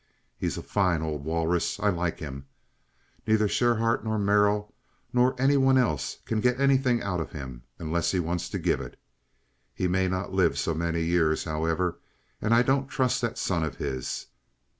He's a fine old walrus. I like him. Neither Schryhart nor Merrill nor any one else can get anything out of him unless he wants to give it. He may not live so many years, however, and I don't trust that son of his.